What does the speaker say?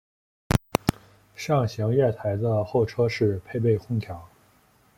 上行月台的候车室配备空调。